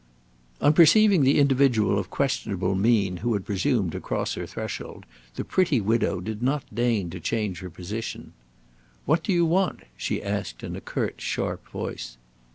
On perceiving the individual of questionable mien who had presumed to cross her threshold, the pretty widow did not deign to change her position. "What do you want?" she asked in a curt, sharp voice.